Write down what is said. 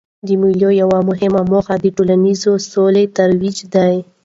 د مېلو یوه مهمه موخه د ټولنیزي سولې ترویج دئ.